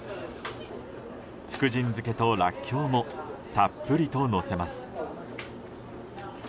福神漬けとラッキョウもたっぷりとのせます。